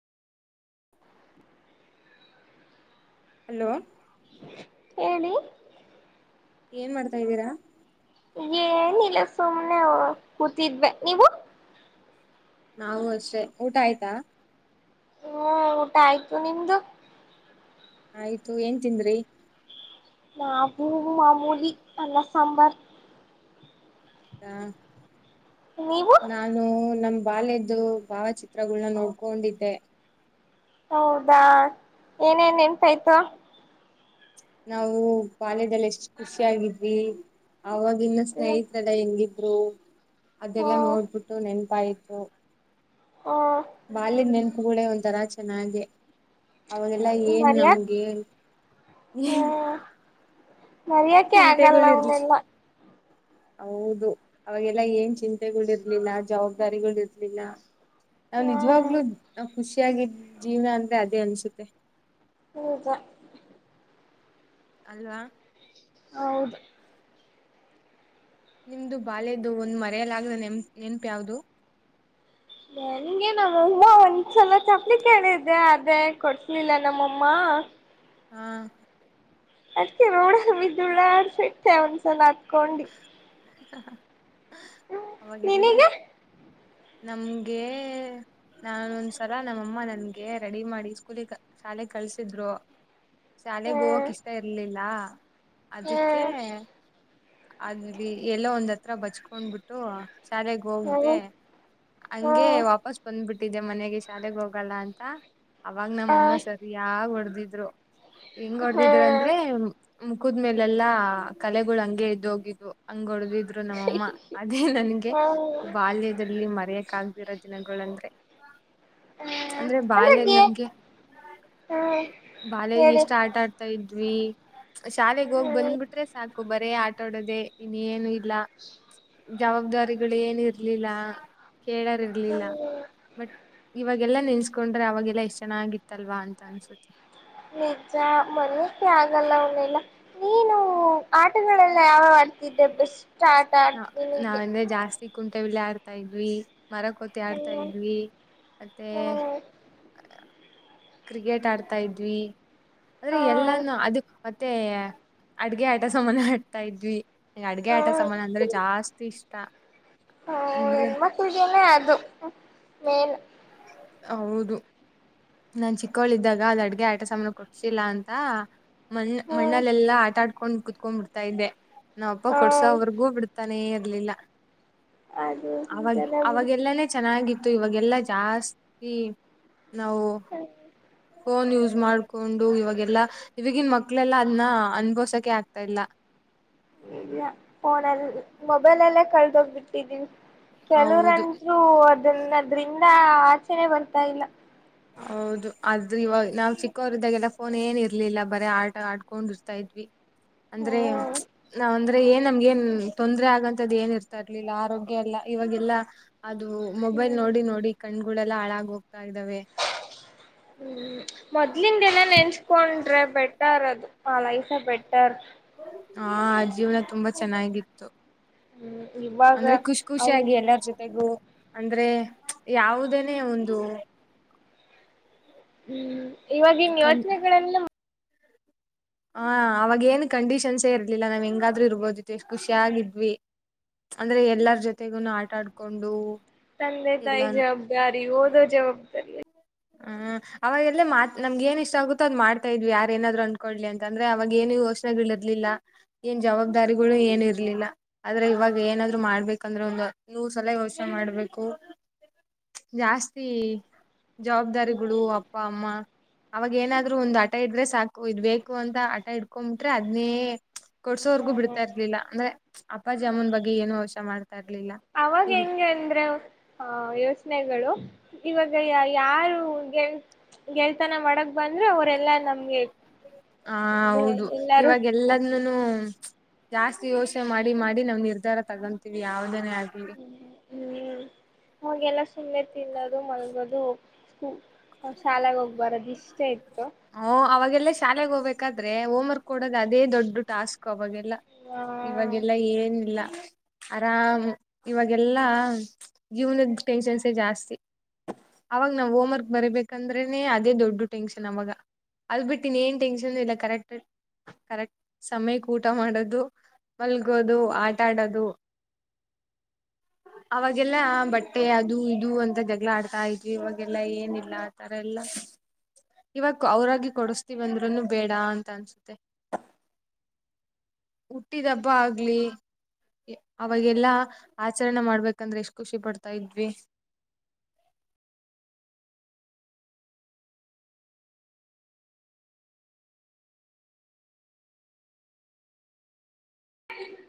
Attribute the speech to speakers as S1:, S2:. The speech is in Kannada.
S1: [inaudible]
S2: ಹಲೋ
S1: ಏನಿ
S2: ಏನ್ ಮಾಡ್ತಾ ಇದ್ದೀರಾ
S1: ಏನ ಇಿಲ್ಲ ಸುಮ್ನೆ ಕೂತಿದ್ವೆ ನೀವು
S2: ನಾವು ಅಷ್ಟೇ ಊಟ ಆಯ್ತಾ..
S1: ಹ್ಮ ಊಟ ಆಯ್ತು ನಿಮ್ದು
S2: ಆಯ್ತು ಏನ್ ತಿಂದ್ರಿ
S1: ನಾವು ಮಾಮೂಲಿ ಅನ್ನ ಸಾಂಬಾರ್
S2: ಹಾ
S1: ನೀವು
S2: ನಾನು ನಮ ಬಾಲ್ಯದ್ದು ಭಾವಚಿತ್ರಗಳನ್ನ ನೋಡ್ಕೊಂಡಿದ್ದೆ
S1: ಹೌದಾ ಏನೇನ್ ನೆಂಪಾಯ್ತು
S2: ನಾವು ಬಾಲ್ಯದಲ್ಲಿ ಎಷ್ಟು ಖುಷಿ ಆಗಿದ್ವಿ ಅವಾಗಿನ್ನ
S1: ಹ್ಮ್
S2: ಸ್ನೇಹಿತಡ ಹೆಂಗಿದ್ರು ಅದೆಲ್ಲ
S1: ಹ್ಮ್
S2: ನೋಡ್ಬಿಟ್ಟು ನೆನಪಾಯ್ತು
S1: ಹಾ
S2: ಬಾಲ್ಯದ ನೆನ್ಪುಗೂ ಒಂಥರಾ ಚೆನ್ನಾಗಿದೆ ಅವಾಗೆಲ್ಲಾ ಏನ್
S1: ಮರ್ಯಾಕ್
S2: ನಮ್ಗೆ
S1: ಹ್ಮ್ ಮರ್ಯಕೆ ಆಗಲ್ಲ
S2: ಚಿಂತೆಗಳಿರ್ಲಿ
S1: ಅವನೆಲ್ಲ
S2: ಹೌದು ಅವಾಗೆಲ್ಲ ಏನ್ ಚಿಂತೆಗಳ ಇರ್ಲಿಲ್ಲ ಜವಾಬ್ದಾರಿಗಳ ಇರ್ಲಿಲ್ಲ ನಾವ್
S1: ಹ್ಮ್
S2: ನಿಜವಾಗ್ಲುೂ ನ ಖುಷಿಯಾಗಿದ ಜೀವನ ಅಂದ್ರೆ ಅದೇ ಅನ್ಸುತ್ತೆ
S1: ಹೌದ
S2: ಅಲ್ವಾ
S1: ಹೌದು
S2: ನಿಮ್ದು ಬಾದದು ಒಂದ್ ಮರೆಯಲ್ಲಗ್ದ ನೆನಪು ಯಾವ್ದದು
S1: ನನ್ಗೆ ನಮ್ಮಮ್ಮ ಒಂದ್ಸಲ ಚಪ್ಲಿ ಕೇಳಿದ್ದೆ ಅದೇ ಕೊಡ್ಸಲಿಲ್ಲ ನಮ್ಮಮ್ಮ [inaudible]
S2: ಹಾ
S1: ಅದ್ಕ್ಕೆ ನೋಡ ದುಡಾ ಆಡ್ಸಿ ಇಟ್ಟೆ ಒಂದಸಲ ಹತ್ಕೊಂಡು
S2: ಅವಾಗೆಲ್ಲ
S1: ನಿನಗೆ
S2: [inaudible] ನಮ್ಗೆ ನಾನೊಂದ್ಸಲ ನಮ್ಮಮ್ಮ ನನ್ಗೆ ರೆಡಿ ಮಾಡಿ ಸ್ಕೂಲಿಗೆ ಶಾಲೆಗೆ ಕಳ್ಸಿದ್ರು ಶಾಲೆಗೆಗೆ ಹೋಗಕ್ ಇಷ್ಟ ಇರ್ಲಿಲ್ಲ ಅದಕ್ಕೆ ಅಲ್ಲಿ ಎಲ್ಲೋ ಒಂದ್ ಹತ್ರ ಬಚ್ಕೊಂಡ್ಬಿಟ್ಟು ಶಾಲೆಗೆ ಹೋಗ್ದೆ ಹಂಗೆ ವಾಪಸ್ ಬಂದ್ಬಿಟ್ಟಿದೆ ಮನೆಗೆ ಶಾಲೆಗೆ ಹೋಗಲ್ಲ ಅಂತ ಅವಾಗ ನಮ್ಮ ಅಮ್ಮ ಸರಿಯಾಗ ಹೊಡೆದಿದ್ರು ಹೆಂಗ್ ಹೊಡೆದಿದ್ರು ಅಂದ್ರೆ ಮುಕುದ್ಮೇಲೆ ಎಲ್ಲಾ ಕಲೆಗಳುಂಗ ಗೆದೋಗಿದ್ದು ಹಂಗ ಹೊಡದಿದ್ರು ನಮ್ಮಮ್ಮ ಅದೇ ನನ್ಗೆ ಬಾಲ್ಯ ದಲ್ಲಿ ಮರೆಯಕ್ ಗದಿರೋ ದಿನಗಳಂದ್ರೆ ಅಂದ್ರೆ ಬಾಯಲ್ಲಿ
S1: ಅಂದ್ರಗೆ
S2: ನಮ್ಗೆ
S1: ಹೇಳಿ
S2: ಬಾಲ್ಯ ಎಷ್ಟು ಆಟ ಆಡ್ ತಾ ಇದ್ವಿ ಶಾಲೆಗ್ ಹೋಗ್ ಬಂದ್ಬಿಟ್ರೆ ಸಾಕು ಬರೇ ಆಟಾಡೋದೆ ಇನ್ನ ಏನು ಜವಾಬ್ದಾರಿಗಳು ಏನ ಇರ್ಲಿಲ್ಲ ಕೇಳಾರ ಇರ್ಲಿಲ್ಲ ಬಟ್ ಇವಾಗೆಲ್ಲಾ ನೆನ್ಸ್ಕೊಂಡ್ರೆ ಅವಾಗೆಲ್ಲಾ ಎಷ್ಟ್ ಚೆನ್ನಾಗಿತ್ತಲ್ವಾ ಅಂತ ಅನ್ಸುತ್ತೆ
S1: ನಿಜಜಾ ಮರಯಕ್ಕೆ ಆಗಲ್ಲ ಅವನಲ್ಲ ನೀನು ಆಟಗಳೆಲ್ಲ ಯಾವ ಆಡ್ತಿದ್ದೆ ಬೆಸ್ಟ್ ಸ್ಟಾರ್
S2: ನಾ ನಾವ ಅಂದ್ರೆ ಜಾಸ್ತಿ ಕುಂಟೆಲ್ಲ ಆಡ್ತಾ ಇದ್ವಿ ಮರ ಕೋತಿ ಆಡ್ತಾ
S1: ಹ್ಮ್
S2: ಇದ್ವಿ ಮತ್ತೆ
S1: ಹ್ಮ್
S2: ಕ್ರಿಕೆಟ್ ಆಡ್ತಾ ಇದ್ವಿ ಆದ್ರೆ
S1: ಹಾ
S2: ಎಲ್ಲಾನ ಅದ ಮತ್ತೆ ಅಡ್ಗೆ ಆಟ ಸಮಾನ ಆಡ್ತಾ ಇದ್ವಿ ಈ ಅಡ್ಗೆ
S1: ಹಾ
S2: ಆಟ ಸಮಾನ ಅಂದ್ರೆ ಜಾಸ್ತಿ ಇಷ್ಟ ಅಂದ್ರೆ
S1: ಪೂಜೆನೇ ಅದು ಮೇನ್
S2: ಹೌದು ನಾನ್ ಚಿಕ್ಕಳಿದ್ದಾಗ ಅದ್ ಅಡ್ಗೆ ಆಟ ಸಾಮಾನ ಕೊಡ್ಸಿಲ್ಲಾ ಅಂತ ಮಣ್ಣ
S1: ಹ್ಮ್
S2: ಮಣ್ಣಲ್ಲಾ ಆಟ ಆಡ್ಕೊಂಡು ಕುತ್ಕೊಂಡ್ ಬಿಡ್ತಾ ಇೆ ನಾವಪ್ಪ ಕೊಡ್ಸೋ
S1: ಹ
S2: ಅವ್ರಗೂ ಬಿಡ್ತಾನೆ ಇರ್ಲಿಲ್ಲ
S1: ಅದು
S2: ಅವಾಗ
S1: ನಿಜಾನೇ ಬಿಡು
S2: ಅವಾಗೆಲ್ಲಾನೇ ಚೆನ್ನಾಗಿತ್ತು ಮತ್ತು ಇವಾಗೆಲ್ಲಾ ಜಾಸ್ತಿ ನಾವು ಫೋನ್ ಯೂಸ್ ಮಾಡ್ಕೊಂಡು ಇವಾಗೆಲ್ಲ ಇಗನ್ ಮಕ್ಳೆಲ್ಲಾ ಅದನ್ನ ಅನ್ಭೋಸಕೆ ಆಗ್ತಾ ಇಲ್ಲ
S1: ಫೋನಲ್ಲಿ ಮೊಬೈಲ್ಲ್ಲೇ ಕಳ್ದೋಗ್ಬಿಟ್ಟಿದೀವಿ
S2: ಹೌದು
S1: ಕೆಲವರಂದ ಅದನ್ನದ್ರಿಂದ ಆಚರಣೆ ಬರ್ತಾ ಇಲ್ಲ
S2: ಹೌದು ಆದ್ರ ಇವಾಗ ನಾವ್ ಚಿಕ್ಕವರ್ದಾಗಲ್ಲ ಫೋನ್ ಏನ್ ಇರ್ಲಿಲ್ಲ ಬರೇ ಆಟ ಆಡ್ಕೊಂಡು ಇ್ತಾ ಇದ್ವಿ ಅಂದ್ರೆ
S1: ಹ್ಮ್
S2: ನಾ ಒಂದು ್ರೆ ಏನ್ ನಮ್ಗೆೇನ್ ತೊಂದರೆ ಆಗಂತದ್ ಏನ್ ಇರ್ತಾ ಇರ್ಲಿಲ್ಲ ಆರೋಗ್ಯ ಎಲ್ಲಾ ಇವಾಗೆಲ್ಲ ಅದು ಮೊಬೈಲ್ ನೋಡಿ ನೋಡಿ ಕಣ್ಗಳೆಲ್ಲ ಹಾಳಾಗ ಹೋಗ್ತಾ ಇದ್ದಾವೆ
S1: ಹ್ಮ್ ಮೊದ್ಲಿಂದೆಲ್ಲ ನೆನ್ಸ್ಕೊಂಡ್ರೆ ಬೆಟರ್ ಅದು ಆ ಲೈಫ ಬೆಟರ್
S2: ಹ ಆ ಜೀವನ ತುಂಬಾ ಚೆನ್ನಾಗಿತ್ತು
S1: ಹ್ಮ್ ಇವಾಗ
S2: ಅಂದ್ರೆ ಖುಷ್
S1: ಅವು
S2: ಖುಷಿಯಾಗಿಿ ಎಲ್ಲಾರ ಜೊತೆಗೂ ಅಂದ್ರೆ ಯಾವುದನೆೇ ಒಂದು
S1: ಹ್ಮ್ ಇವಾಗಿನ್
S2: ಕಣ್
S1: ಯೋಚನೆಗಳೆಲ್ಲ
S2: ಹ ಅವಾಗೇಏನು ಕಂಡೀಷನ್ಸೇ ಇರ್ಲಿಲ್ಲ ನಾವ್ ಹೆಂಗಾದ್ರು ಇರ್ಬೋದಿತ್ತು ಎಷ್ಟ್ ಖುಷಿಯಾಗಿದ್ವಿ ಅಂದ್ರೆ ಎಲ್ಲರ ಜೊತೆಗೂ ಆಟಾಡ್ಕೊಂಡು
S1: ತಂದೆ ತಾಯಿ ಜವಾಬ್ದಾರಿ ಓದೋ ಜವಾಬ್ದಾರಿ
S2: ಹ್ಮ್ ಅವಾಗೆಲ್ಲೇ ಮಾತ್ ನಮ್ಗ ಏನ್ ಇಷ್ಟ ಆಗುತ್ತೋ ಅದು್ ಮಾಡ್ತಾ ಇದ್ವಿ ಯಾರೇನಾದ್ರು ಅನ್ಕಡ್್ಲಿ ಅಂದ್ರೆ ಅವಾಗ ೇನು ಅಷ್ಟ ಪ್ರಶಗಳಿರ್ಲಿಲ್ಲ ಏನ್ ಜವಾಬ್ದಾರಿಗಳು ಏನು ಇರ್ಲಿಲ್ಲ ಆದ್ರೆ ಇವಾಗ ಏನಾದ್ರು ಮಾಡ್ಬೇಕಂದ್ರೆ ಒಂದು ನೂವು ಸಲ ಯೋಚನೆ ಮಾಡ್ಬೇಕು ಜಾಸ್ತಿ ಜವಾಬ್ದಾರಿಗಳು ಅಪ್ಪ ಅಮ್ಮ ಅವಾಗೇಏನಾದ್ರು ಒಂದು ಆಟ ಇಡ್ರೆ ಸಾಕು ಇದ್ ಬೇಕು ಅಂತ ಆಟ ಇಡ್ಕೊಬಿಟ್ರೆ ಅದನೇ ಕೊಡ್ಸೋವರ್ಗೂ ಬಿಡ್ತಾ
S1: ಹ್ಮ್
S2: ಇರ್ಲಿಲ್ಲ ಅಂದ್ರೆ ಅಪ್ಪ ಜಾಮೂನ್ ಬಗ್ಗೆ ಏನು ಅವಶ ಮಾಡ್ತಾ ಇರ್ಲಿಲ್ಲ
S1: ಅವಾಗ
S2: ಇದು
S1: ಹೆಂಗ ಅಂದ್ರೆ ಹಾ ಯೋಚನೆಗಳು ಇವಾಗ ಯಾರುಗೆ ಗೆಳ್ತನ ಮಡಗ ಬಂದ್ರೆ ಅವ್ರಲ್ಲ
S2: ಹ ಹೌದು
S1: ಎಲ್ಲಾರು
S2: ಇವಾಗ ಎಲ್ಲದ ಜಾಸ್ತಿ ಯೋಚನೆ ಮಾಡಿ ಮಾಡಿ ನಮ್ ನಿರ್ಧಾರ ತಗೊಂತೀವಿ ಯಾವ್ದನೇ ಆಗ್ಲಿ
S1: ಹ್ಮ್ ಅವೆಲ್ಲ ಸುಮ್ಮನೆ ತಿನ್ನದು ಮಲ್ಗೋದು ಹೋಗ ಶಾಲೆಗೆ ಹೋಗ್ ಬರದು ಇಷ್ಟ ಇತ್ತು
S2: ಹಓ ಅವಾಗೆಲ್ಲ ಶಾಲೆಗೆ ಹೋಗ್ಬೇಕಾದ್ರೆ ಹೋಮ್ವರ್ಕ್ ಕೊಡೋದು ಅದೇ ದೊಡ್ಡ ಟಾಸ್ಕ್ ಅವಾಗೆಲ್ಲ ಲ್ಲ
S1: ಹ
S2: ಇವಾಗೆಲ್ಲ ಏನಿಲ್ಲ ಆರಾಮ್ ಇವಾಗೆಲ್ಲಾ ಜೀವ್ನದ ಟೆನ್ಷನ್ಸೆ ಜಾಸ್ತಿ ಅವಾಗ ನಾವ್ ಹೋಮ್ವರ್ಕ್ ಬರೀಬೇಕು ಯಾಕಂದ್ರೆನೆ ಅದೇ ದೊಡ್ಡ ಟೆನ್ಷನ್ ಅವಾಗ ಅದು ಬಿಟ್ಟು ಇನ್ ಏನ್ ಟೆನ್ಷನ್ ಇಲ್ಲ ಕರೆಕ್ಟ್ ಕರೆಕ್ಟ್ ಸಮಯ ಊಟ ಮಾಡೋದು ಮಲ್ಗೋದು ಆಟ ಆಡೋದು ಅವಾಗೆಲ್ಲ ಬಟ್ಟೆ ಅದು ಇದು ಅಂತ ಜಗಳ ಆಡ್ತಾ ಇದ್ವಿ ಅವವಾಗೆಲ್ಲ ಏನಿಲ್ಲ ತರ ಎಲ್ಲ ಇವಾಗ ಅವರಾಗಿ ಕೊಡಸ್ತೀವಿಂದ್ನು ಬೇಡ ಅಂತ ಅನ್ಸುತ್ತೆ ಹುಟ್ಟಿದ ಹಬ್ಬ ಆಗ್ಲಿ ಅವಾಗೆಲ್ಲಾ ಆಚರಣೆ ಮಾಡ್ಬೇಕಂದ್ರೆ ಎಷ್ಟ್ ಖುಷಿ ಪಡ್ತಾ ಇದ್ವಿ
S1: ಹ